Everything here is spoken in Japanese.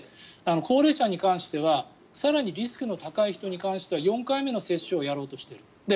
高齢者に関しては更にリスクの高い人に関しては４回目の接種をやろうとしている。